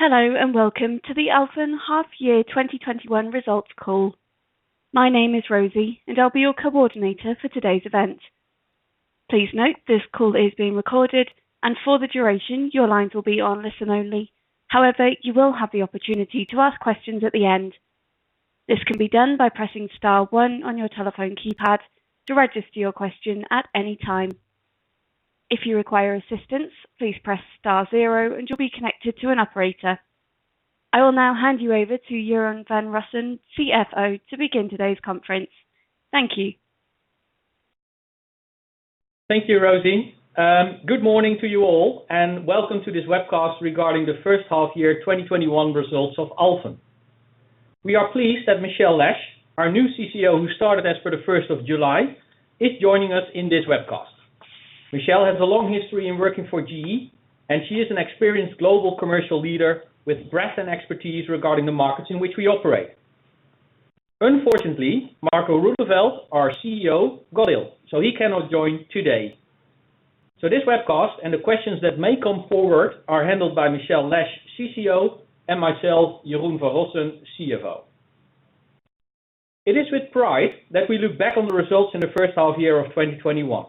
Hello, and welcome to the Alfen half-year 2021 results call. My name is Rosie and I'll be your coordinator for today's event. Please note this call is being recorded, and for the duration, your lines will be on listen-only. However, you will have the opportunity to ask questions at the end. This can be done by pressing star one on your telephone keypad to register your question at any time. If you require assistance, please press star zero and you'll be connected to an operator. I will now hand you over to Jeroen van Rossen, CFO, to begin today's conference. Thank you. Thank you, Rosie. Good morning to you all, and welcome to this webcast regarding the first half-year 2021 results of Alfen. We are pleased that Michelle Lesh, our new CCO who started as for the 1st of July, is joining us in this webcast. Michelle has a long history in working for GE and she is an experienced global commercial leader with breadth and expertise regarding the markets in which we operate. Unfortunately, Marco Roeleveld, our CEO, got ill, so he cannot join today. This webcast and the questions that may come forward are handled by Michelle Lesh, CCO, and myself, Jeroen van Rossen, CFO. It is with pride that we look back on the results in the first half-year of 2021.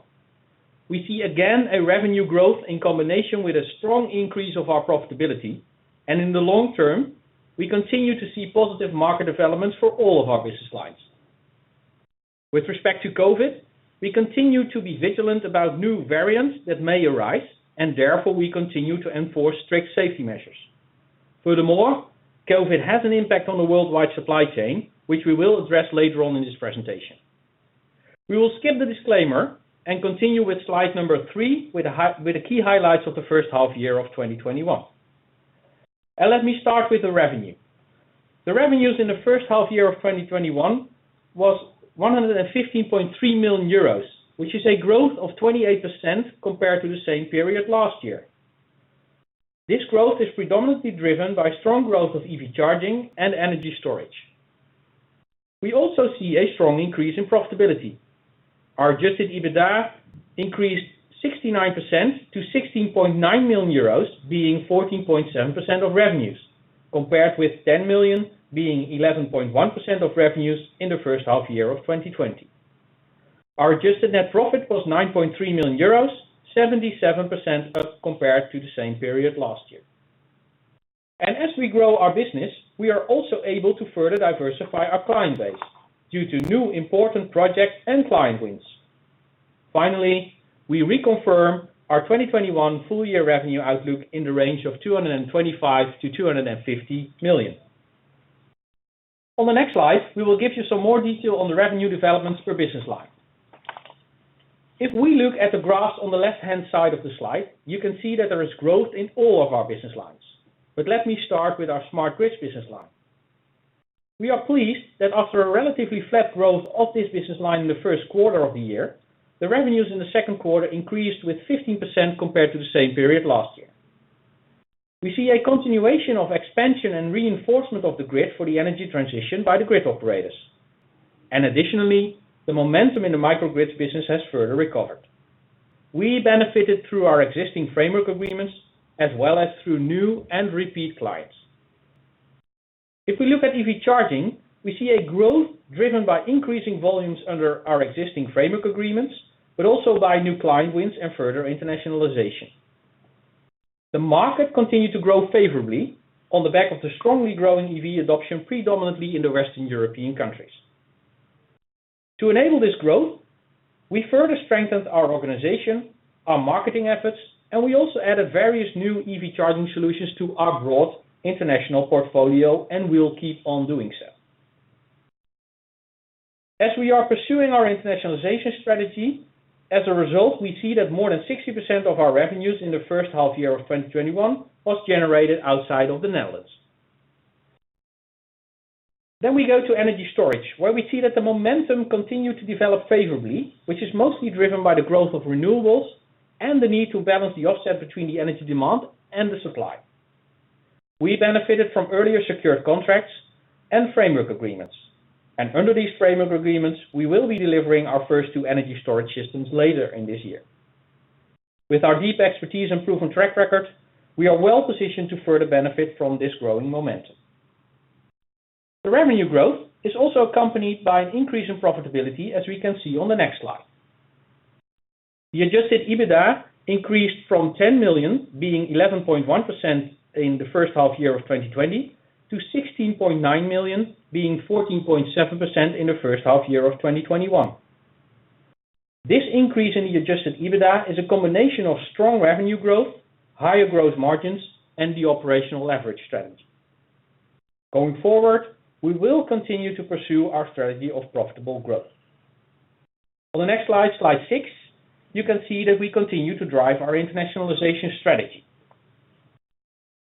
We see again a revenue growth in combination with a strong increase of our profitability. In the long term, we continue to see positive market developments for all of our business lines. With respect to COVID, we continue to be vigilant about new variants that may arise. Therefore, we continue to enforce strict safety measures. Furthermore, COVID has an impact on the worldwide supply chain, which we will address later on in this presentation. We will skip the disclaimer and continue with slide number three with the key highlights of the first half year of 2021. Let me start with the revenue. The revenues in the first half year of 2021 was 115.3 million euros, which is a growth of 28% compared to the same period last year. This growth is predominantly driven by strong growth of EV charging and energy storage. We also see a strong increase in profitability. Our adjusted EBITDA increased 69% to 16.9 million euros, being 14.7% of revenues, compared with 10 million, being 11.1% of revenues in the first half year of 2020. As we grow our business, we are also able to further diversify our client base due to new important projects and client wins. Finally, we reconfirm our 2021 full year revenue outlook in the range of 225 million-250 million. On the next slide, we will give you some more detail on the revenue developments per business line. If we look at the graphs on the left-hand side of the slide, you can see that there is growth in all of our business lines. Let me start with our smart grids business line. We are pleased that after a relatively flat growth of this business line in the first quarter of the year, the revenues in the second quarter increased with 15% compared to the same period last year. Additionally, the momentum in the micro grids business has further recovered. We benefited through our existing framework agreements as well as through new and repeat clients. If we look at EV charging, we see a growth driven by increasing volumes under our existing framework agreements, also by new client wins and further internationalization. The market continued to grow favorably on the back of the strongly growing EV adoption, predominantly in the Western European countries. To enable this growth, we further strengthened our organization, our marketing efforts, and we also added various new EV charging solutions to our broad international portfolio and we will keep on doing so. As we are pursuing our internationalization strategy, as a result, we see that more than 60% of our revenues in the first half year of 2021 was generated outside of the Netherlands. We go to energy storage, where we see that the momentum continued to develop favorably, which is mostly driven by the growth of renewables and the need to balance the offset between the energy demand and the supply. We benefited from earlier secured contracts and framework agreements, and under these framework agreements, we will be delivering our first two energy storage systems later in this year. With our deep expertise and proven track record, we are well-positioned to further benefit from this growing momentum. The revenue growth is also accompanied by an increase in profitability as we can see on the next slide. The adjusted EBITDA increased from 10 million, being 11.1% in the first half year of 2020, to 16.9 million, being 14.7% in the first half year of 2021. This increase in the adjusted EBITDA is a combination of strong revenue growth, higher growth margins, and the operational leverage strategy. Going forward, we will continue to pursue our strategy of profitable growth. On the next slide six, you can see that we continue to drive our internationalization strategy.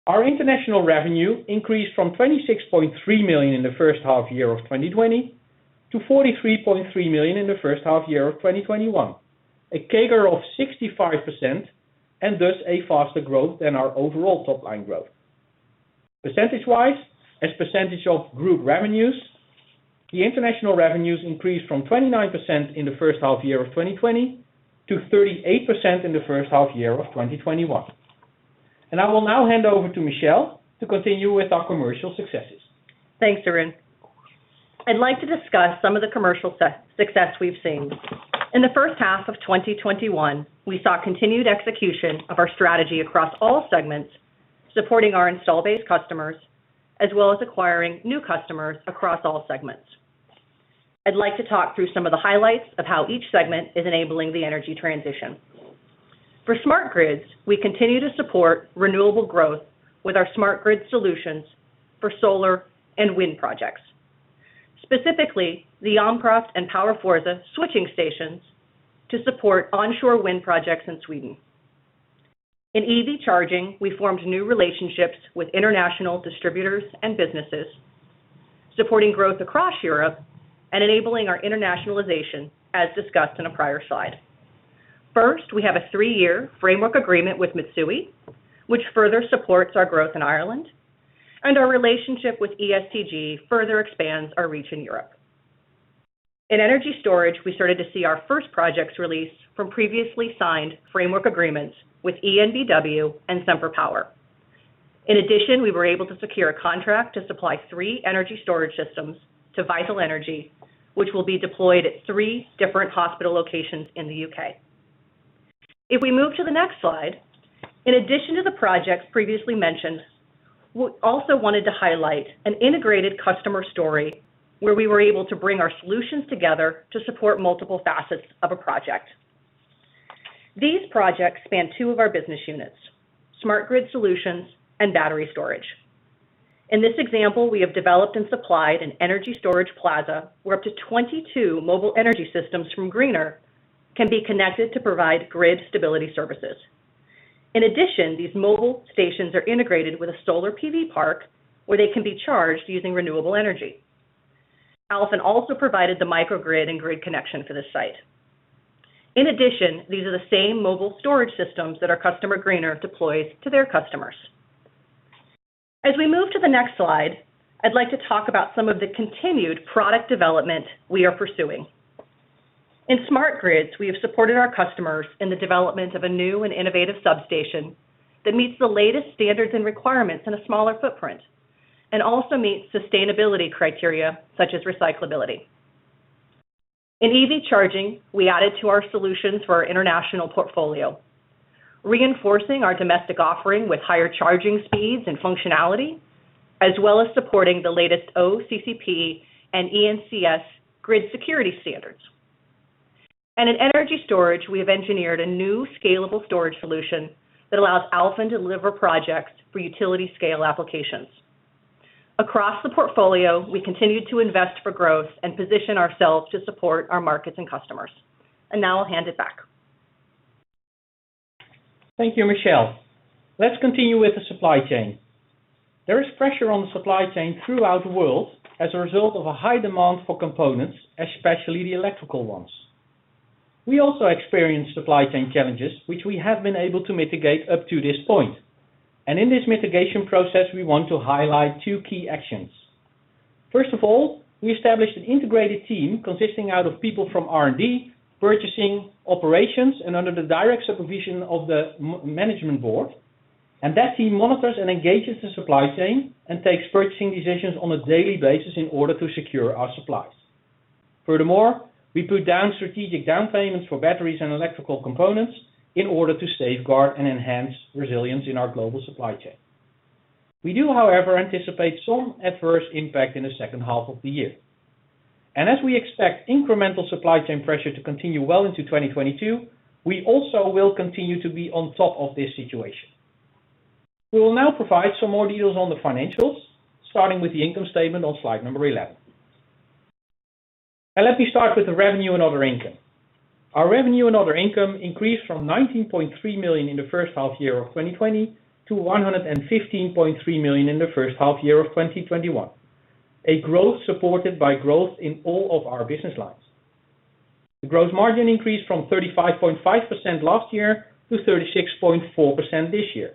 Our international revenue increased from 26.3 million in the first half year of 2020 to 43.3 million in the first half year of 2021, a CAGR of 65% and thus a faster growth than our overall top-line growth. Percentage-wise, as percentage of group revenues. The international revenues increased from 29% in the first half year of 2020 to 38% in the first half year of 2021. I will now hand over to Michelle to continue with our commercial successes. Thanks, Jeroen. I'd like to discuss some of the commercial success we've seen. In the first half of 2021, we saw continued execution of our strategy across all segments, supporting our install base customers, as well as acquiring new customers across all segments. I'd like to talk through some of the highlights of how each segment is enabling the energy transition. For smart grids, we continue to support renewable growth with our smart grid solutions for solar and wind projects, specifically the Ampraft and PowerForza switching stations to support onshore wind projects in Sweden. In EV charging, we formed new relationships with international distributors and businesses, supporting growth across Europe, and enabling our internationalization as discussed in a prior slide. First, we have a three-year framework agreement with Mitsui, which further supports our growth in Ireland, and our relationship with ESTG further expands our reach in Europe. In energy storage, we started to see our first projects release from previously signed framework agreements with EnBW and SemperPower. In addition, we were able to secure a contract to supply three energy storage systems to Vital Energi, which will be deployed at three different hospital locations in the U.K. If we move to the next slide, in addition to the projects previously mentioned, we also wanted to highlight an integrated customer story where we were able to bring our solutions together to support multiple facets of a project. These projects span two of our business units, smart grid solutions and battery storage. In this example, we have developed and supplied an energy storage plaza where up to 22 mobile energy systems from Greener can be connected to provide grid stability services. In addition, these mobile stations are integrated with a solar PV park, where they can be charged using renewable energy. Alfen also provided the microgrid and grid connection for this site. In addition, these are the same mobile storage systems that our customer, Greener, deploys to their customers. As we move to the next slide, I'd like to talk about some of the continued product development we are pursuing. In smart grids, we have supported our customers in the development of a new and innovative substation that meets the latest standards and requirements in a smaller footprint, and also meets sustainability criteria such as recyclability. In EV charging, we added to our solutions for our international portfolio, reinforcing our domestic offering with higher charging speeds and functionality, as well as supporting the latest OCPP and ENCS grid security standards. In energy storage, we have engineered a new scalable storage solution that allows Alfen to deliver projects for utility scale applications. Across the portfolio, we continue to invest for growth and position ourselves to support our markets and customers. Now I'll hand it back. Thank you, Michelle. Let's continue with the supply chain. There is pressure on the supply chain throughout the world as a result of a high demand for components, especially the electrical ones. We also experienced supply chain challenges, which we have been able to mitigate up to this point. In this mitigation process, we want to highlight two key actions. First of all, we established an integrated team consisting out of people from R&D, purchasing, operations, and under the direct supervision of the management board. That team monitors and engages the supply chain and takes purchasing decisions on a daily basis in order to secure our supplies. Furthermore, we put down strategic down payments for batteries and electrical components in order to safeguard and enhance resilience in our global supply chain. We do, however, anticipate some adverse impact in the second half of the year. As we expect incremental supply chain pressure to continue well into 2022, we also will continue to be on top of this situation. We will now provide some more details on the financials, starting with the income statement on slide number 11. Let me start with the revenue and other income. Our revenue and other income increased from 19.3 million in the first half year of 2020 to 115.3 million in the first half year of 2021, a growth supported by growth in all of our business lines. The gross margin increased from 35.5% last year to 36.4% this year.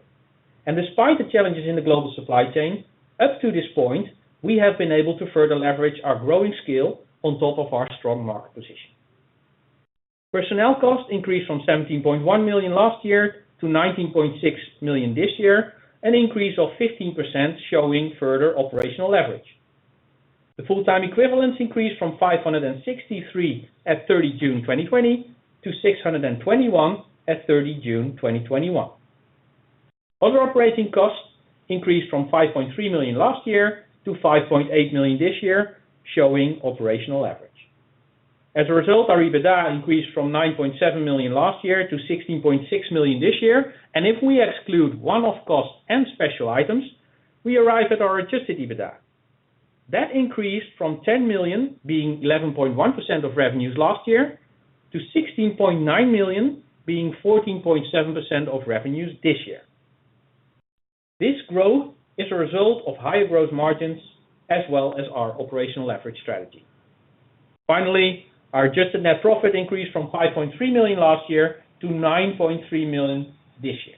Despite the challenges in the global supply chain, up to this point, we have been able to further leverage our growing scale on top of our strong market position. Personnel costs increased from 17.1 million last year to 19.6 million this year, an increase of 15% showing further operational leverage. The full-time equivalents increased from 563 at 30 June 2020 to 621 at 30 June 2021. Other operating costs increased from 5.3 million last year to 5.8 million this year, showing operational leverage. As a result, our EBITDA increased from 9.7 million last year to 16.6 million this year. If we exclude one-off costs and special items, we arrive at our adjusted EBITDA. That increased from 10 million, being 11.1% of revenues last year, to 16.9 million, being 14.7% of revenues this year. This growth is a result of higher growth margins, as well as our operational leverage strategy. Finally, our adjusted net profit increased from 5.3 million last year to 9.3 million this year.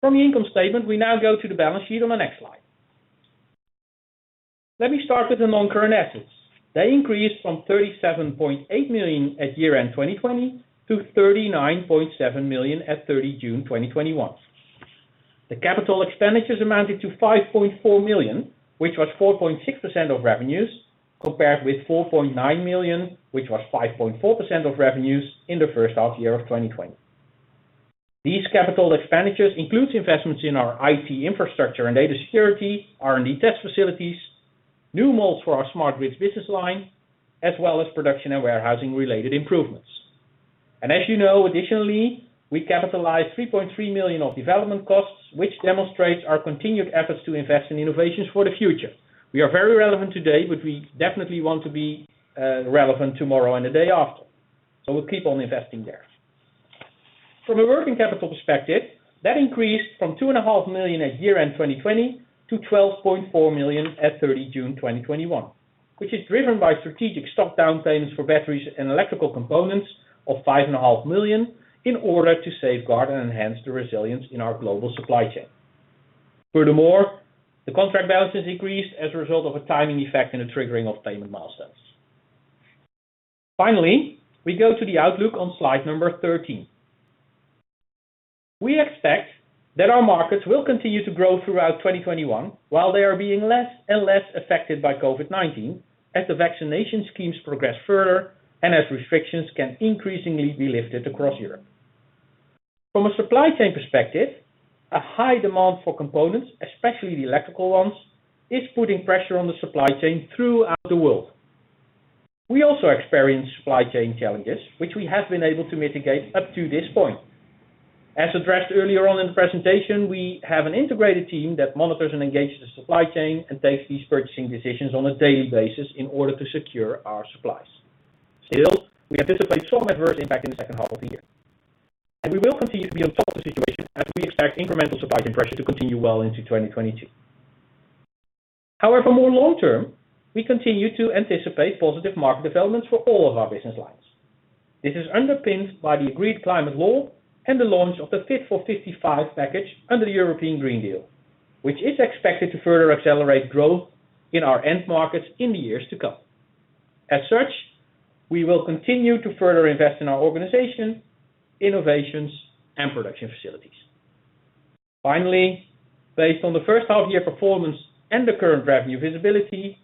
From the income statement, we now go to the balance sheet on the next slide. Let me start with the non-current assets. They increased from 37.8 million at year-end 2020 to 39.7 million at 30 June 2021. The capital expenditures amounted to 5.4 million, which was 4.6% of revenues, compared with 4.9 million, which was 5.4% of revenues in the first half year of 2020. These capital expenditures includes investments in our IT infrastructure and data security, R&D test facilities, new molds for our smart grids business line, as well as production and warehousing-related improvements. As you know, additionally, we capitalized 3.3 million of development costs, which demonstrates our continued efforts to invest in innovations for the future. We are very relevant today, but we definitely want to be relevant tomorrow and the day after, so we'll keep on investing there. From a working capital perspective, that increased from 2.5 million at year-end 2020 to 12.4 million at 30 June 2021, which is driven by strategic stock down payments for batteries and electrical components of 5.5 million in order to safeguard and enhance the resilience in our global supply chain. Furthermore, the contract balances increased as a result of a timing effect in the triggering of payment milestones. Finally, we go to the outlook on slide number 13. We expect that our markets will continue to grow throughout 2021, while they are being less and less affected by COVID-19 as the vaccination schemes progress further and as restrictions can increasingly be lifted across Europe. From a supply chain perspective, a high demand for components, especially the electrical ones, is putting pressure on the supply chain throughout the world. We also experience supply chain challenges, which we have been able to mitigate up to this point. As addressed earlier on in the presentation, we have an integrated team that monitors and engages the supply chain and takes these purchasing decisions on a daily basis in order to secure our supplies. Still, we anticipate some adverse impact in the second half of the year. We will continue to be on top of the situation as we expect incremental supply chain pressure to continue well into 2022. More long-term, we continue to anticipate positive market developments for all of our business lines. This is underpinned by the agreed Climate Law and the launch of the Fit for 55 package under the European Green Deal, which is expected to further accelerate growth in our end markets in the years to come. As such, we will continue to further invest in our organization, innovations and production facilities. Finally, based on the first half year performance and the current revenue visibility,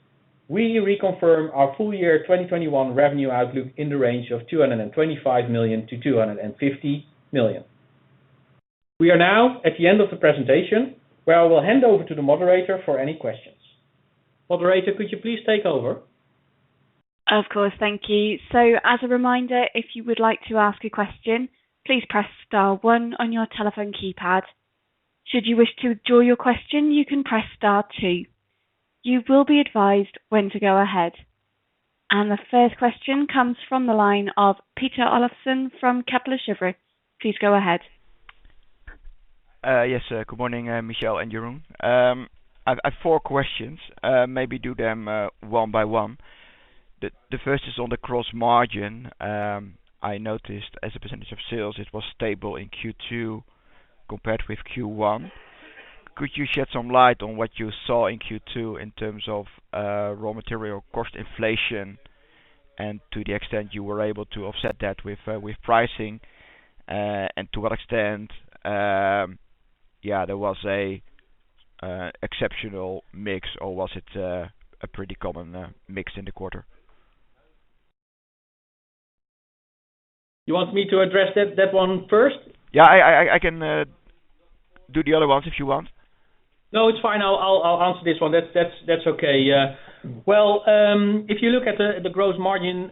we reconfirm our full year 2021 revenue outlook in the range of 225 million-250 million. We are now at the end of the presentation, where I will hand over to the Moderator for any questions. Moderator, could you please take over? Of course. Thank you. As a reminder, if you would like to ask a question, please press star one on your telephone keypad. Should you wish to withdraw your question, you can press star two. You will be advised when to go ahead. The first question comes from the line of Peter Olofsen from Kepler Cheuvreux. Please go ahead. Yes. Good morning, Michelle and Jeroen. I have four questions. Maybe do them one by one. The first is on the gross margin. I noticed as a percent of sales, it was stable in Q2 compared with Q1. Could you shed some light on what you saw in Q2 in terms of raw material cost inflation and to the extent you were able to offset that with pricing, and to what extent there was a exceptional mix, or was it a pretty common mix in the quarter? You want me to address that one first? Yeah. I can do the other ones if you want. No, it's fine. I'll answer this one. That's okay. Well, if you look at the gross margin,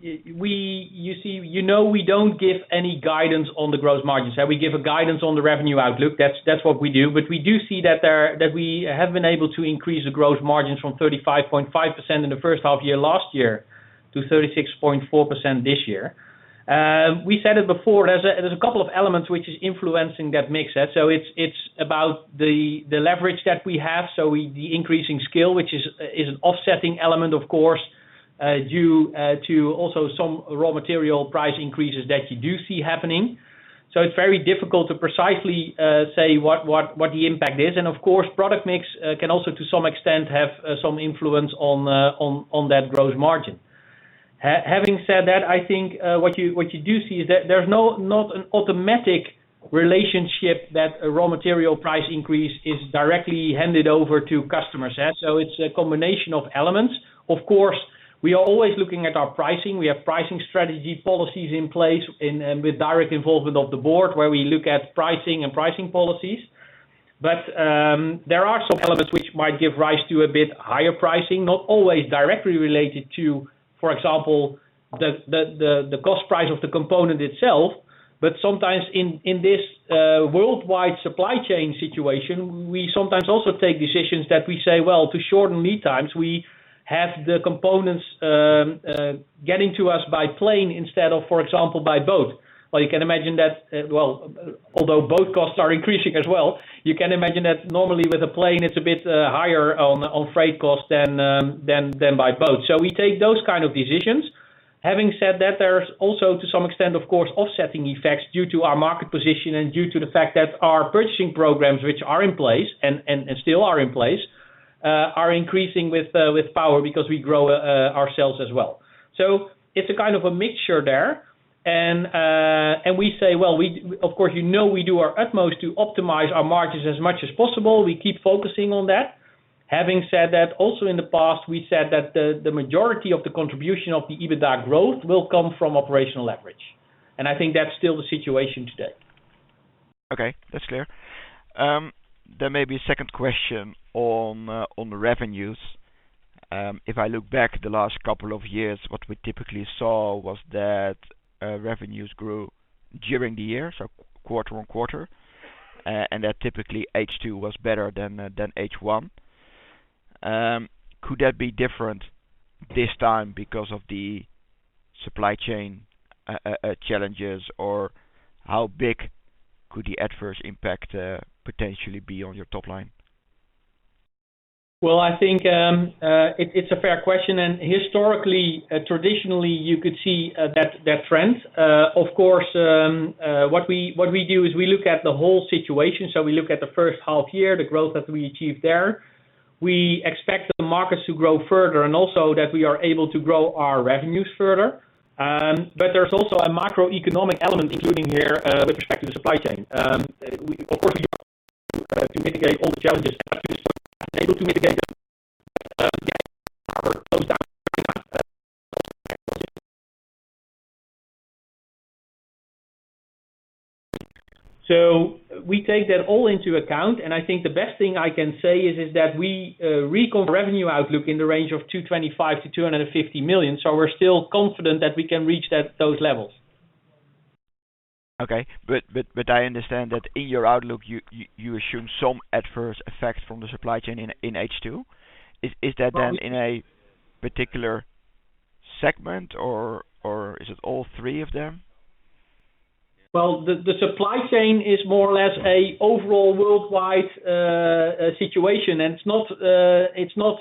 you know we don't give any guidance on the gross margins. We give a guidance on the revenue outlook. That's what we do. We do see that we have been able to increase the gross margins from 35.5% in the first half year last year to 36.4% this year. We said it before, there's a couple of elements which is influencing that mix. It's about the leverage that we have. The increasing scale, which is an offsetting element, of course, due to also some raw material price increases that you do see happening. It's very difficult to precisely say what the impact is. Of course, product mix can also, to some extent, have some influence on that gross margin. Having said that, I think what you do see is that there's not an automatic relationship that a raw material price increase is directly handed over to customers. It's a combination of elements. Of course, we are always looking at our pricing. We have pricing strategy policies in place and with direct involvement of the board where we look at pricing and pricing policies. There are some elements which might give rise to a bit higher pricing, not always directly related to, for example, the cost price of the component itself, but sometimes in this worldwide supply chain situation, we sometimes also take decisions that we say, well, to shorten lead times, we have the components getting to us by plane instead of, for example, by boat. Well, although boat costs are increasing as well, you can imagine that normally with a plane, it's a bit higher on freight cost than by boat. We take those kind of decisions. Having said that, there's also, to some extent, of course, offsetting effects due to our market position and due to the fact that our purchasing programs, which are in place and still are in place, are increasing with power because we grow our sales as well. It's a kind of a mixture there and we say, of course, you know we do our utmost to optimize our margins as much as possible. We keep focusing on that. Having said that, also in the past, we said that the majority of the contribution of the EBITDA growth will come from operational leverage, and I think that's still the situation today. Okay. That's clear. There may be a second question on the revenues. If I look back the last couple of years, what we typically saw was that revenues grew during the year, so quarter-on-quarter, and that typically H2 was better than H1. Could that be different this time because of the supply chain challenges, or how big could the adverse impact potentially be on your top line? Well, I think it's a fair question, and historically, traditionally, you could see that trend. Of course, what we do is we look at the whole situation, so we look at the first half year, the growth that we achieved there. We expect the markets to grow further and also that we are able to grow our revenues further. There's also a macroeconomic element including here with respect to the supply chain. Of course, we to mitigate all the challenges up to this point and able to mitigate them. Yeah, power goes down. We take that all into account, and I think the best thing I can say is that we recon revenue outlook in the range of 225 million-250 million. We're still confident that we can reach those levels. Okay. I understand that in your outlook, you assume some adverse effects from the supply chain in H2. Is that then in a particular segment, or is it all three of them? Well, the supply chain is more or less a overall worldwide situation. It's not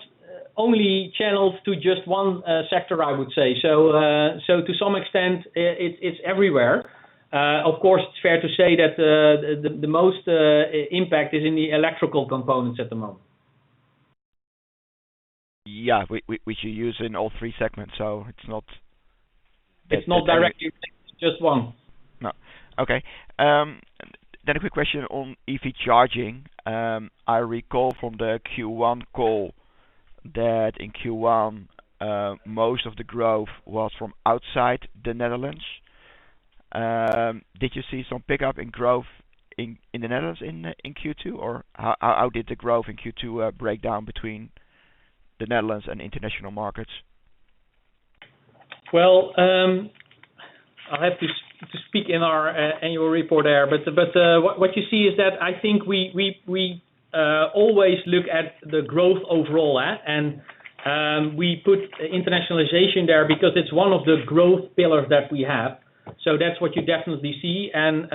only channeled to just one sector, I would say. To some extent, it's everywhere. Of course, it's fair to say that the most impact is in the electrical components at the moment. Yeah, which you use in all three segments. It's not directly just one. No. Okay. A quick question on EV charging. I recall from the Q1 call that in Q1, most of the growth was from outside the Netherlands. Did you see some pickup in growth in the Netherlands in Q2, or how did the growth in Q2 break down between the Netherlands and international markets? Well, I'll have to speak in our annual report there, but what you see is that I think we always look at the growth overall at, and we put internationalization there because it's one of the growth pillars that we have. That's what you definitely see, and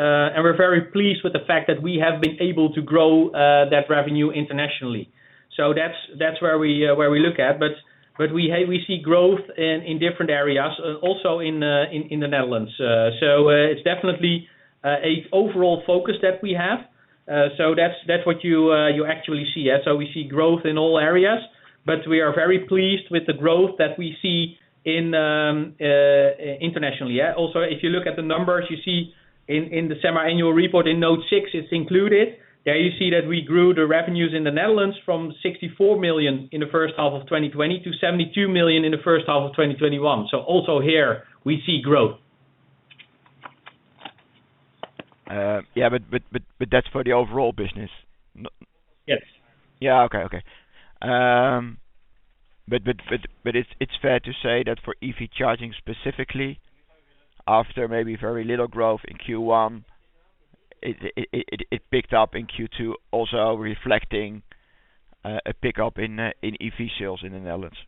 we're very pleased with the fact that we have been able to grow that revenue internationally. That's where we look at, but we see growth in different areas, also in the Netherlands. It's definitely an overall focus that we have. That's what you actually see. We see growth in all areas, but we are very pleased with the growth that we see internationally. Also, if you look at the numbers you see in the semi-annual report in note six, it's included. There you see that we grew the revenues in the Netherlands from 64 million in the first half of 2020 to 72 million in the first half of 2021. Also here we see growth. Yeah, that's for the overall business. Yes. Yeah. Okay. It's fair to say that for EV charging specifically, after maybe very little growth in Q1, it picked up in Q2, also reflecting a pickup in EV sales in the Netherlands.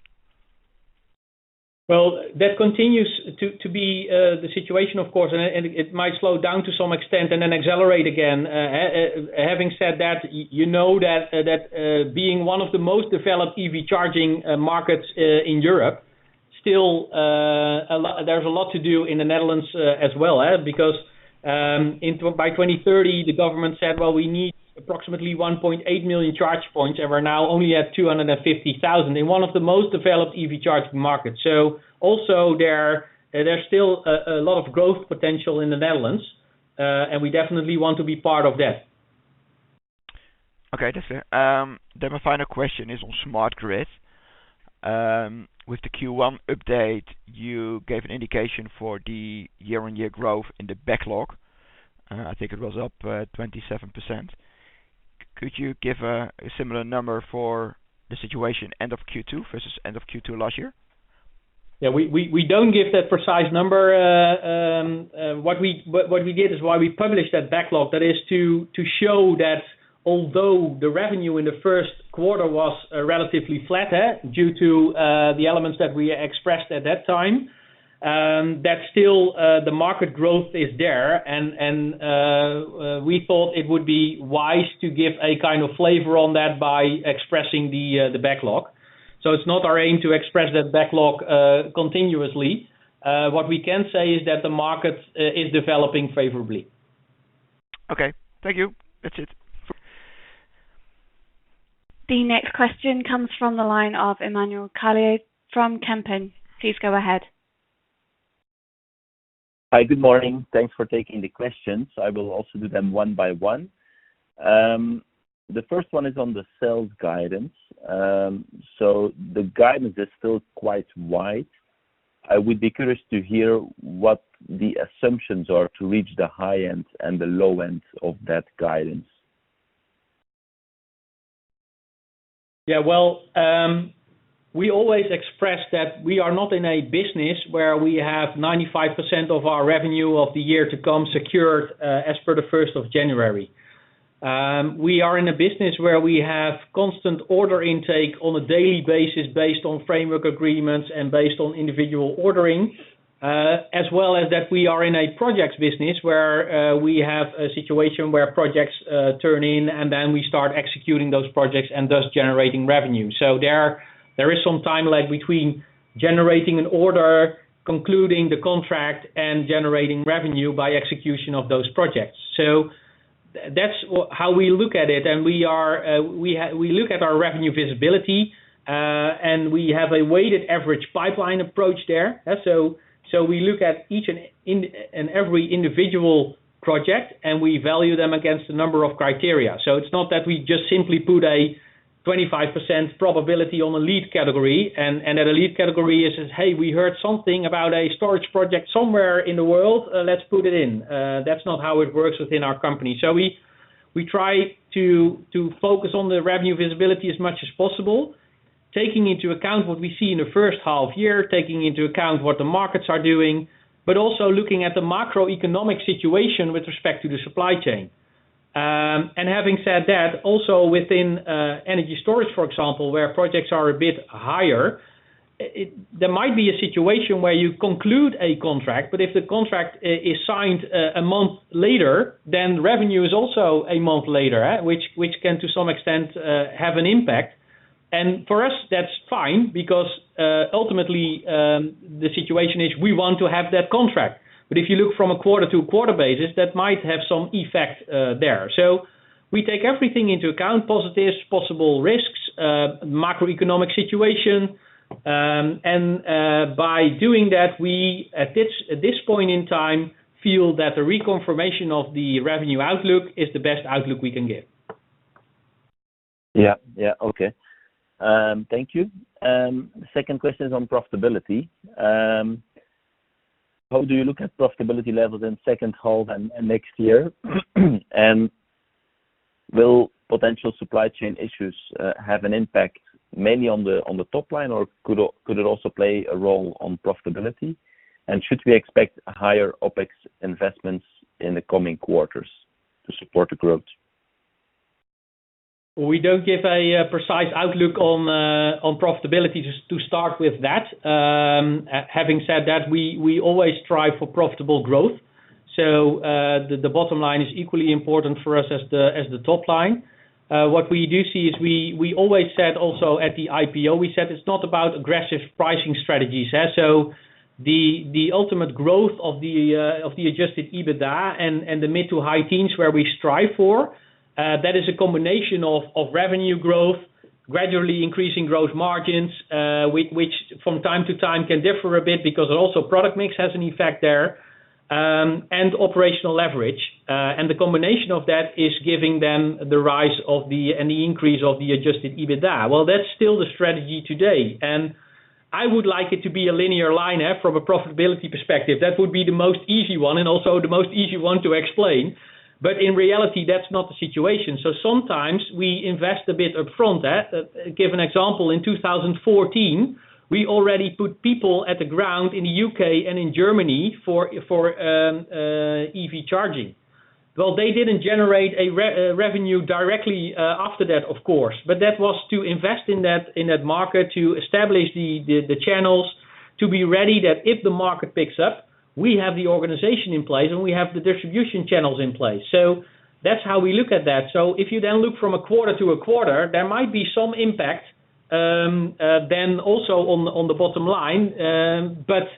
That continues to be the situation, of course, and it might slow down to some extent and then accelerate again. Having said that, you know that being one of the most developed EV charging markets in Europe, still there's a lot to do in the Netherlands as well, because by 2030, the government said, "Well, we need approximately 1.8 million charge points, and we're now only at 250,000 in one of the most developed EV charging markets." Also there's still a lot of growth potential in the Netherlands, and we definitely want to be part of that. Okay. That's it. My final question is on smart grid. With the Q1 update, you gave an indication for the year-on-year growth in the backlog. I think it was up 27%. Could you give a similar number for the situation end of Q2 versus end of Q2 last year? We don't give that precise number. What we give is why we publish that backlog, that is to show that although the revenue in the first quarter was relatively flat due to the elements that we expressed at that time. Still, the market growth is there, and we thought it would be wise to give a kind of flavor on that by expressing the backlog. It's not our aim to express that backlog continuously. What we can say is that the market is developing favorably. Okay. Thank you. That's it. The next question comes from the line of Emmanuel Carlier from Kempen. Please go ahead. Hi, good morning. Thanks for taking the questions. I will also do them one by one. The first one is on the sales guidance. The guidance is still quite wide. I would be curious to hear what the assumptions are to reach the high end and the low end of that guidance. Yeah. We always express that we are not in a business where we have 95% of our revenue of the year to come secured as per the 1st of January. We are in a business where we have constant order intake on a daily basis based on framework agreements and based on individual ordering, as well as that we are in a projects business where we have a situation where projects turn in and then we start executing those projects and thus generating revenue. There is some time lag between generating an order, concluding the contract, and generating revenue by execution of those projects. That's how we look at it, and we look at our revenue visibility, and we have a weighted average pipeline approach there. We look at each and every individual project, and we value them against a number of criteria. It's not that we just simply put a 25% probability on a lead category and at a lead category it says, "Hey, we heard something about a storage project somewhere in the world. Let's put it in." That's not how it works within our company. We try to focus on the revenue visibility as much as possible, taking into account what we see in the first half year, taking into account what the markets are doing, but also looking at the macroeconomic situation with respect to the supply chain. Having said that, also within energy storage, for example, where projects are a bit higher, there might be a situation where you conclude a contract, but if the contract is signed 1 month later, then revenue is also 1 month later, which can to some extent, have an impact. For us, that's fine because, ultimately, the situation is we want to have that contract. If you look from a quarter-to-quarter basis, that might have some effect there. We take everything into account, positives, possible risks, macroeconomic situation. By doing that, we, at this point in time, feel that the reconfirmation of the revenue outlook is the best outlook we can give. Yeah. Okay. Thank you. Second question is on profitability. How do you look at profitability levels in second half and next year? Will potential supply chain issues have an impact mainly on the top line, or could it also play a role on profitability? Should we expect higher OpEx investments in the coming quarters to support the growth? We don't give a precise outlook on profitability to start with that. Having said that, we always strive for profitable growth. The bottom line is equally important for us as the top line. What we do see is we always said also at the IPO, it's not about aggressive pricing strategies. The ultimate growth of the adjusted EBITDA and the mid to high teens, where we strive for, that is a combination of revenue growth, gradually increasing growth margins, which from time to time can differ a bit because also product mix has an effect there, and operational leverage. The combination of that is giving them the rise and the increase of the adjusted EBITDA. That's still the strategy today, and I would like it to be a linear line from a profitability perspective. That would be the most easy one and also the most easy one to explain. In reality, that's not the situation. Sometimes we invest a bit upfront. Give an example, in 2014, we already put people at the ground in the U.K. and in Germany for EV charging. Well, they didn't generate a revenue directly after that, of course, but that was to invest in that market to establish the channels to be ready that if the market picks up, we have the organization in place and we have the distribution channels in place. That's how we look at that. If you then look from a quarter to a quarter, there might be some impact, then also on the bottom line, but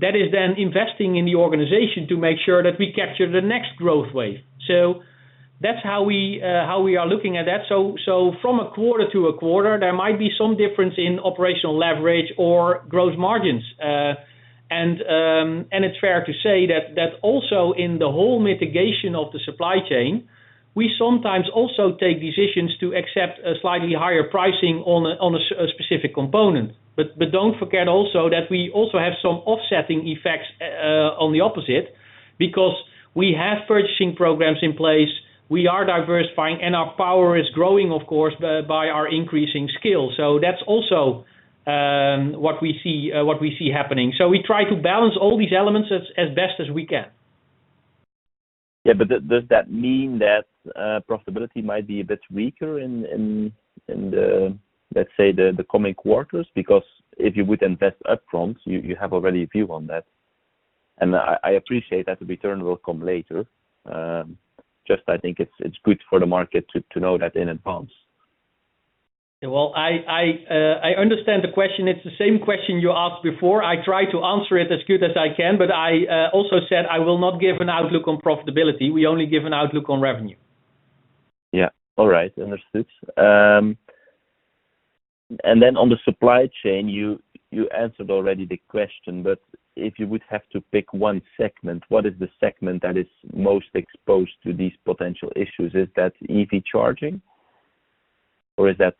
that is then investing in the organization to make sure that we capture the next growth wave. That's how we are looking at that. From a quarter to a quarter, there might be some difference in operational leverage or gross margins. It's fair to say that also in the whole mitigation of the supply chain, we sometimes also take decisions to accept a slightly higher pricing on a specific component. Don't forget also that we also have some offsetting effects on the opposite because we have purchasing programs in place, we are diversifying, and our power is growing, of course, by our increasing scale. That's also what we see happening. We try to balance all these elements as best as we can. Yeah, does that mean that profitability might be a bit weaker in, let's say, the coming quarters? Because if you would invest upfront, you have already a view on that, and I appreciate that the return will come later. Just I think it's good for the market to know that in advance. Well, I understand the question. It is the same question you asked before. I try to answer it as good as I can, but I also said I will not give an outlook on profitability. We only give an outlook on revenue. Yeah. All right. Understood. On the supply chain, you answered already the question, but if you would have to pick one segment, what is the segment that is most exposed to these potential issues? Is that EV charging, or is that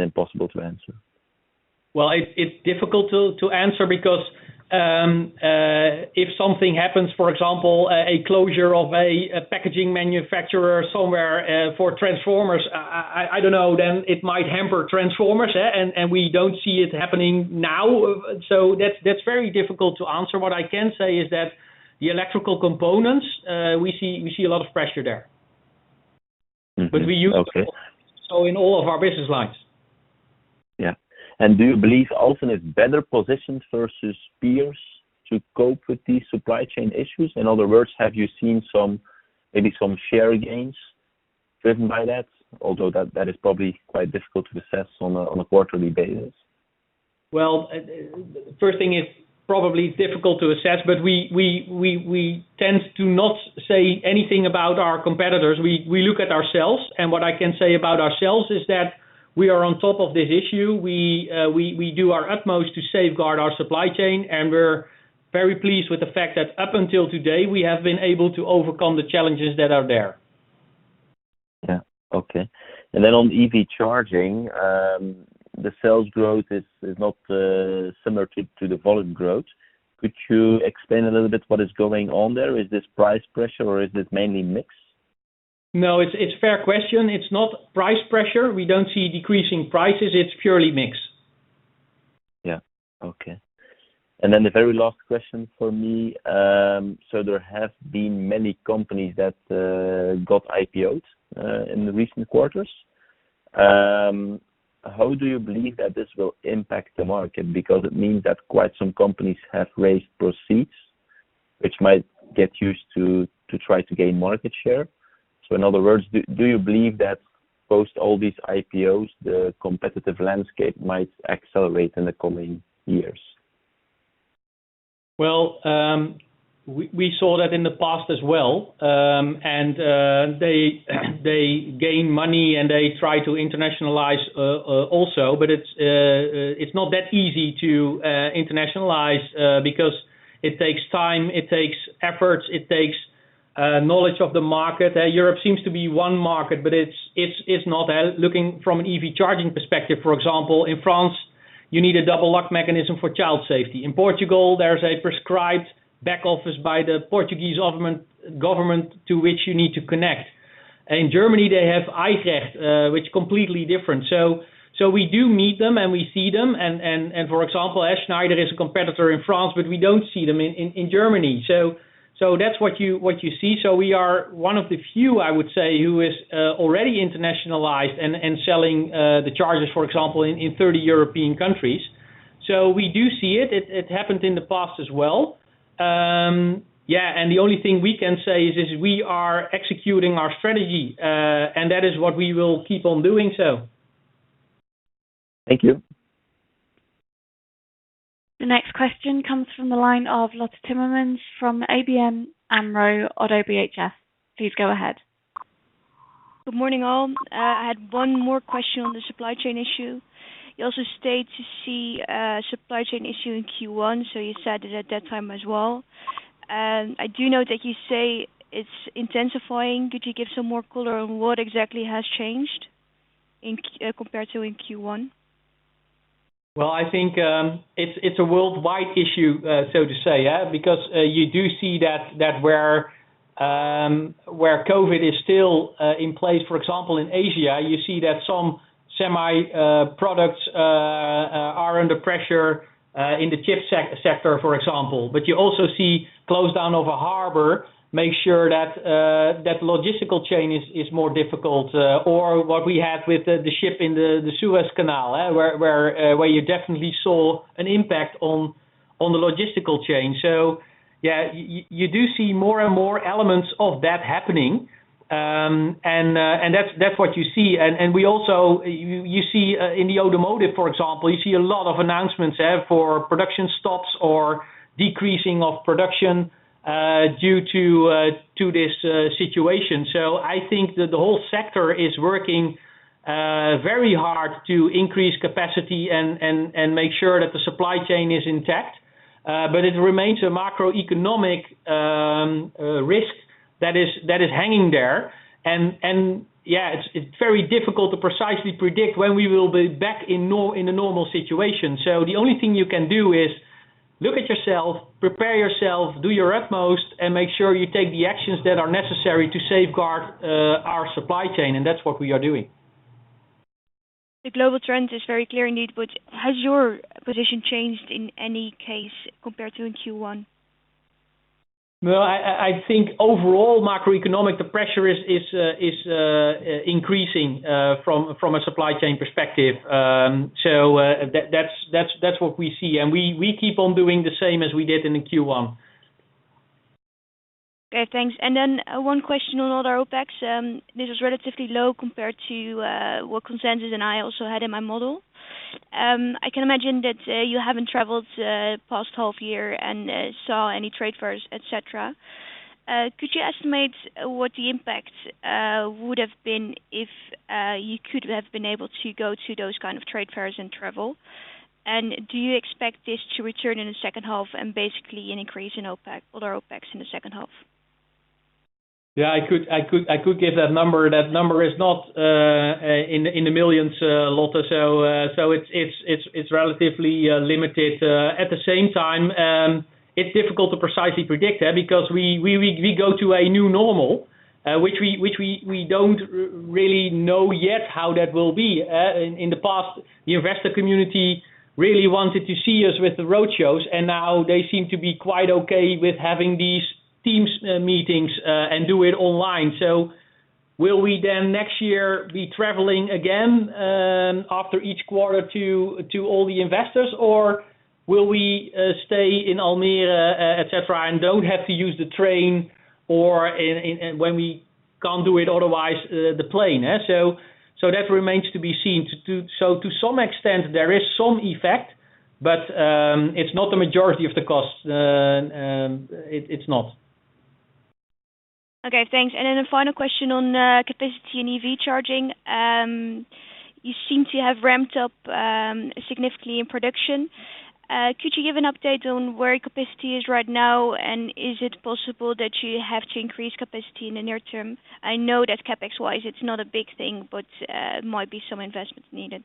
impossible to answer? It's difficult to answer because if something happens, for example, a closure of a packaging manufacturer somewhere for transformers, I don't know, then it might hamper transformers. We don't see it happening now. That's very difficult to answer. What I can say is that the electrical components, we see a lot of pressure there. Okay. We use it all, so in all of our business lines. Yeah. Do you believe Alfen is better positioned versus peers to cope with these supply chain issues? In other words, have you seen maybe some share gains driven by that? Although that is probably quite difficult to assess on a quarterly basis. Well, first thing, it's probably difficult to assess, but we tend to not say anything about our competitors. We look at ourselves, and what I can say about ourselves is that we are on top of this issue. We do our utmost to safeguard our supply chain, and we're very pleased with the fact that up until today, we have been able to overcome the challenges that are there. Yeah. Okay. On EV charging, the sales growth is not similar to the volume growth. Could you explain a little bit what is going on there? Is this price pressure, or is this mainly mix? No, it's a fair question. It's not price pressure. We don't see decreasing prices. It's purely mix. Yeah. Okay. The very last question from me. There have been many companies that got IPOs in the recent quarters. How do you believe that this will impact the market? It means that quite some companies have raised proceeds, which might get used to try to gain market share. In other words, do you believe that post all these IPOs, the competitive landscape might accelerate in the coming years? Well, we saw that in the past as well. They gain money, and they try to internationalize also, but it's not that easy to internationalize because it takes time, it takes effort, it takes knowledge of the market. Europe seems to be one market, but it's not. Looking from an EV charging perspective, for example, in France, you need a double lock mechanism for child safety. In Portugal, there's a prescribed back office by the Portuguese government to which you need to connect. In Germany, they have [Eichrecht], which is completely different. We do meet them, and we see them, and for example, Schneider is a competitor in France, but we don't see them in Germany. That's what you see. We are one of the few, I would say, who is already internationalized and selling the chargers, for example, in 30 European countries. We do see it. It happened in the past as well. The only thing we can say is we are executing our strategy, and that is what we will keep on doing so. Thank you. The next question comes from the line of Lotte Timmermans from ABN AMRO - ODDO BHF. Please go ahead. Good morning, all. I had one more question on the supply chain issue. You also state to see a supply chain issue in Q1, so you said it at that time as well. I do note that you say it's intensifying. Could you give some more color on what exactly has changed compared to in Q1? Well, I think it's a worldwide issue, so to say. You do see that where COVID is still in place, for example, in Asia, you see that some semi products are under pressure in the chip sector, for example. You also see close down of a harbor makes sure that logistical chain is more difficult. What we had with the ship in the Suez Canal, where you definitely saw an impact on the logistical chain. Yeah, you do see more and more elements of that happening, and that's what you see. You see in the automotive, for example, you see a lot of announcements for production stops or decreasing of production due to this situation. I think that the whole sector is working very hard to increase capacity and make sure that the supply chain is intact. It remains a macroeconomic risk that is hanging there. It's very difficult to precisely predict when we will be back in a normal situation. The only thing you can do is look at yourself, prepare yourself, do your utmost, and make sure you take the actions that are necessary to safeguard our supply chain, and that's what we are doing. The global trend is very clear indeed. Has your position changed in any case compared to in Q1? No, I think overall macroeconomic, the pressure is increasing from a supply chain perspective. That's what we see. We keep on doing the same as we did in Q1. Okay, thanks. One question on other OpEx. This is relatively low compared to what consensus and I also had in my model. I can imagine that you haven't traveled the past half year and saw any trade fairs, et cetera. Could you estimate what the impact would have been if you could have been able to go to those kind of trade fairs and travel? Do you expect this to return in the second half and basically an increase in other OpEx in the second half? Yeah, I could give that number. That number is not in the millions, Lotte, so it's relatively limited. At the same time, it's difficult to precisely predict that because we go to a new normal, which we don't really know yet how that will be. In the past, the investor community really wanted to see us with the road shows, and now they seem to be quite okay with having these Teams meetings and do it online. Will we then next year be traveling again, after each quarter to all the investors, or will we stay in Almere, et cetera, and don't have to use the train, or when we can't do it otherwise, the plane? That remains to be seen. To some extent, there is some effect, but it's not the majority of the cost. It's not Okay, thanks. A final question on capacity and EV charging. You seem to have ramped up significantly in production. Could you give an update on where capacity is right now, and is it possible that you have to increase capacity in the near term? I know that CapEx-wise, it's not a big thing, but might be some investments needed.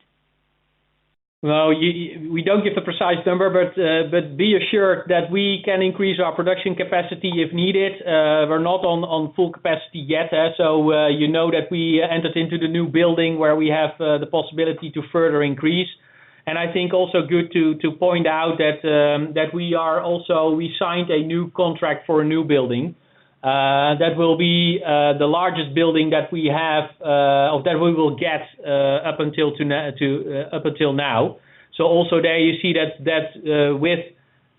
Well, we don't give the precise number, but be assured that we can increase our production capacity if needed. We're not on full capacity yet. You know that we entered into the new building where we have the possibility to further increase. I think also good to point out that we signed a new contract for a new building. That will be the largest building that we will get up until now. Also there you see that with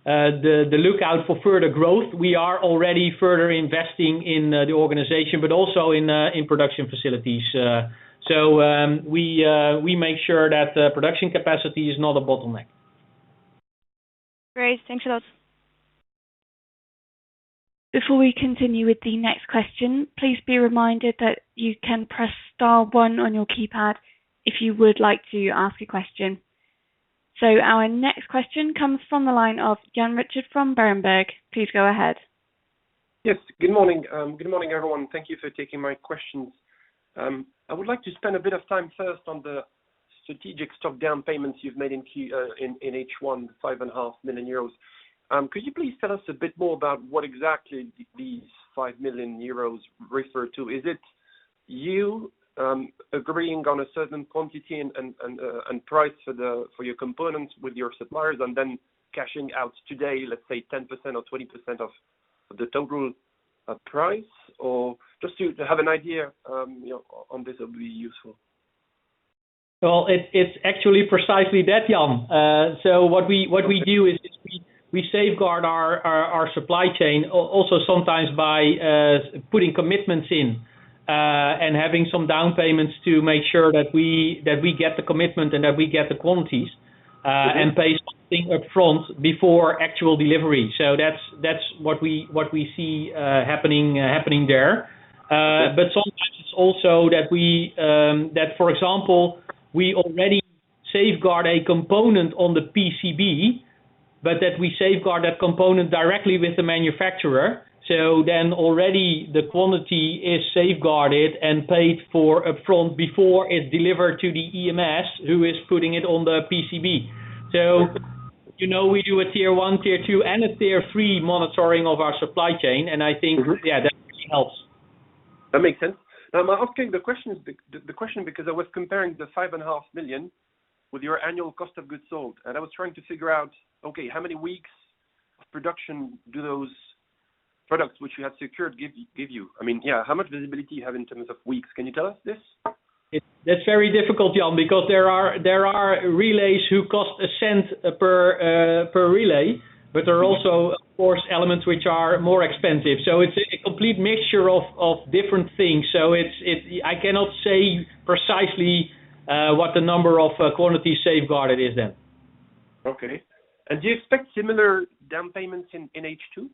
the lookout for further growth, we are already further investing in the organization, but also in production facilities. We make sure that the production capacity is not a bottleneck. Great. Thanks for those. Before we continue with the next question, please be reminded that you can press star one on your keypad if you would like to ask a question. Our next question comes from the line of Jan Richard from Berenberg. Please go ahead. Yes. Good morning, everyone. Thank you for taking my questions. I would like to spend a bit of time first on the strategic stock down payments you've made in H1, 5.5 million euros. Could you please tell us a bit more about what exactly these 5 million euros refer to? Is it you agreeing on a certain quantity and price for your components with your suppliers and then cashing out today, let's say 10% or 20% of the total price? Just to have an idea on this would be useful. Well, it's actually precisely that, Jan. What we do is we safeguard our supply chain also sometimes by putting commitments in and having some down payments to make sure that we get the commitment and that we get the quantities, and pay something up front before actual delivery. That's what we see happening there. Sometimes it's also that, for example, we already safeguard a component on the PCB, but that we safeguard that component directly with the manufacturer. Already the quantity is safeguarded and paid for up front before it's delivered to the EMS, who is putting it on the PCB. You know we do a Tier 1, Tier 2, and a Tier 3 monitoring of our supply chain, and I think, yeah, that helps. That makes sense. I'm asking the question because I was comparing the 5.5 million with your annual cost of goods sold. I was trying to figure out, okay, how many weeks of production do those products which you have secured give you? How much visibility you have in terms of weeks? Can you tell us this? That's very difficult, Jan, because there are relays who cost EUR 0.01 per relay, but there are also force elements which are more expensive. It's a complete mixture of different things. I cannot say precisely what the number of quantity safeguarded is then. Okay. Do you expect similar down payments in H2?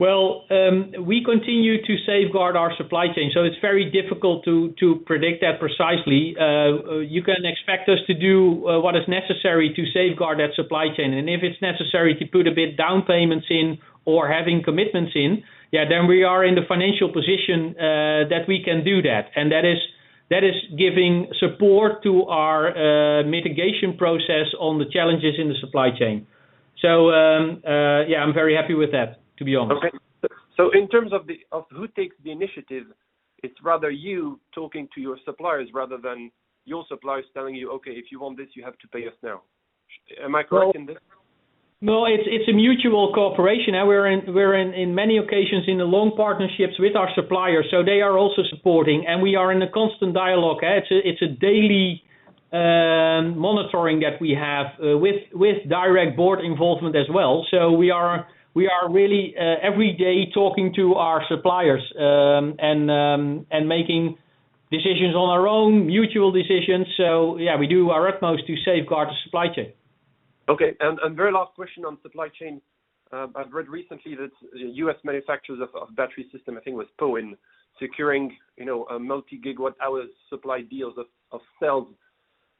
Well, we continue to safeguard our supply chain, so it's very difficult to predict that precisely. You can expect us to do what is necessary to safeguard that supply chain. If it's necessary to put a bit down payments in or having commitments in, yeah, then we are in the financial position that we can do that. That is giving support to our mitigation process on the challenges in the supply chain. Yeah, I'm very happy with that, to be honest. In terms of who takes the initiative, it's rather you talking to your suppliers rather than your suppliers telling you, "Okay, if you want this, you have to pay us now." Am I correct in this? No, it's a mutual cooperation. We're in many occasions in the long partnerships with our suppliers, so they are also supporting, and we are in a constant dialogue. It's a daily monitoring that we have with direct board involvement as well. We are really every day talking to our suppliers, and making decisions on our own, mutual decisions. Yeah, we do our utmost to safeguard the supply chain. Okay. Very last question on supply chain. I've read recently that the U.S. manufacturers of battery system, I think it was Powin, securing a multi-gigawatt hours supply deals of cells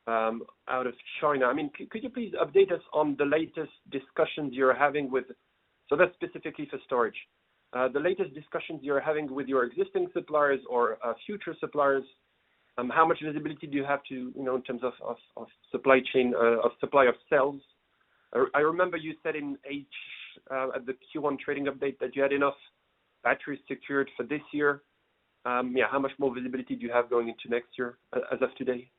out of China. That's specifically for storage. The latest discussions you're having with your existing suppliers or future suppliers, how much visibility do you have in terms of supply of cells? I remember you said at the Q1 trading update that you had enough batteries secured for this year. How much more visibility do you have going into next year, as of today?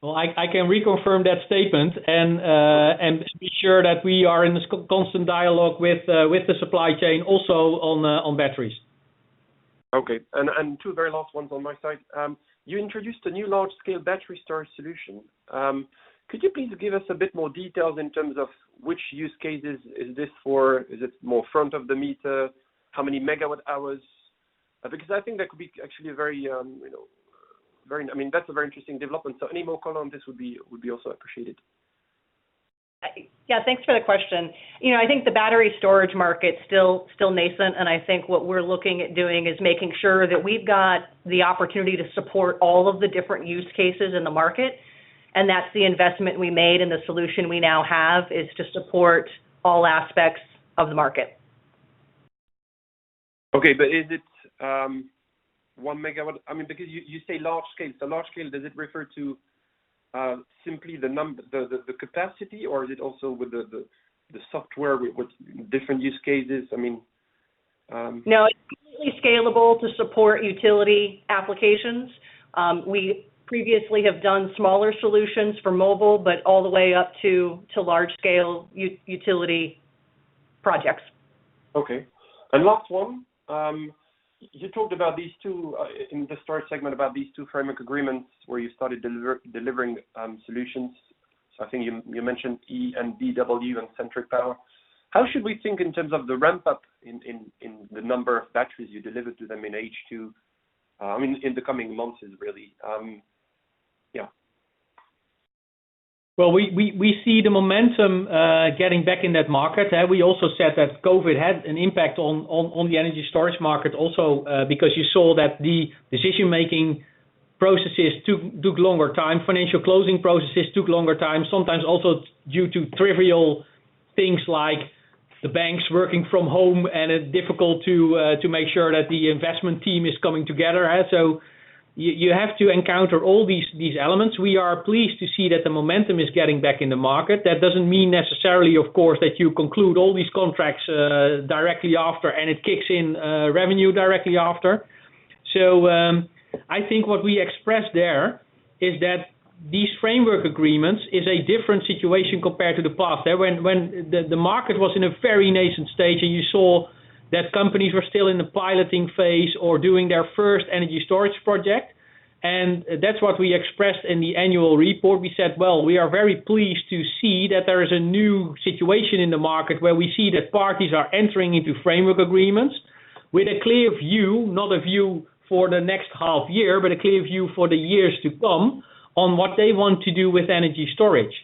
Well, I can reconfirm that statement and assure that we are in the constant dialogue with the supply chain also on batteries. Okay. Two very last ones on my side. You introduced a new large-scale battery storage solution. Could you please give us a bit more details in terms of which use cases is this for? Is it more front of the meter? How many megawatt hours? I think that's a very interesting development, so any more color on this would be also appreciated. Yeah. Thanks for the question. I think the battery storage market's still nascent, and I think what we're looking at doing is making sure that we've got the opportunity to support all of the different use cases in the market, and that's the investment we made and the solution we now have, is to support all aspects of the market. Okay. Is it 1 MW? You say large-scale. Large-scale, does it refer to simply the capacity or is it also with the software with different use cases? I mean. No, it's completely scalable to support utility applications. We previously have done smaller solutions for mobile, but all the way up to large-scale utility projects. Okay. Last one. You talked about these two, in the storage segment, about these two framework agreements where you started delivering solutions. I think you mentioned EnBW and SemperPower. How should we think in terms of the ramp-up in the number of batteries you delivered to them in H2? In the coming months really. Yeah. We see the momentum getting back in that market. We also said that COVID had an impact on the energy storage market also, because you saw that the decision-making processes took longer time, financial closing processes took longer time, sometimes also due to trivial things like the banks working from home and it's difficult to make sure that the investment team is coming together. You have to encounter all these elements. We are pleased to see that the momentum is getting back in the market. That doesn't mean necessarily, of course, that you conclude all these contracts directly after and it kicks in revenue directly after. I think what we expressed there is that these framework agreements is a different situation compared to the past. When the market was in a very nascent stage and you saw that companies were still in the piloting phase or doing their first energy storage project, that's what we expressed in the annual report. We said, "Well, we are very pleased to see that there is a new situation in the market where we see that parties are entering into framework agreements with a clear view, not a view for the next half year, but a clear view for the years to come on what they want to do with energy storage."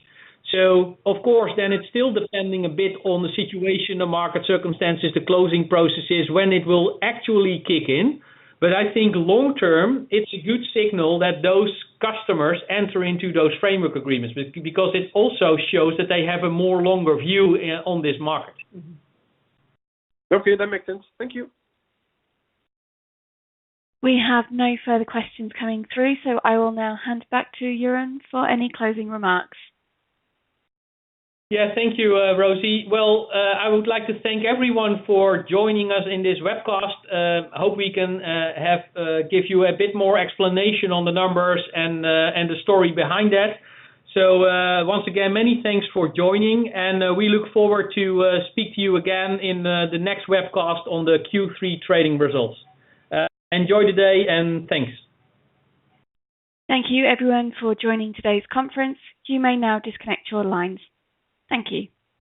Of course, it's still depending a bit on the situation, the market circumstances, the closing processes, when it will actually kick in. I think long term, it's a good signal that those customers enter into those framework agreements, because it also shows that they have a more longer view on this market. Okay, that makes sense. Thank you. We have no further questions coming through, so I will now hand back to Jeroen for any closing remarks. Yeah. Thank you, Rosie. Well, I would like to thank everyone for joining us in this webcast. Hope we can give you a bit more explanation on the numbers and the story behind that. Once again, many thanks for joining and we look forward to speak to you again in the next webcast on the Q3 trading results. Enjoy the day and thanks. Thank you everyone for joining today's conference. You may now disconnect your lines. Thank you.